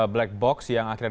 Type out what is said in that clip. black box yang akhirnya